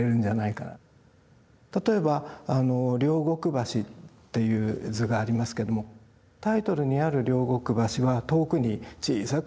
たとえば両国橋っていう図がありますけどもタイトルにある両国橋は遠くに小さく見えている。